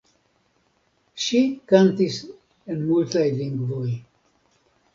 Ŝi kantis en multaj lingvoj.